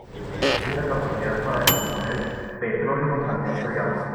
Tiene la capacidad para descomponer petróleo contaminante de agua.